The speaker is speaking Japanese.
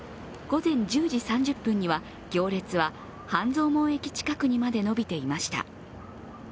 午前１０時３０分には行列は半蔵門駅近くにまで伸びていました。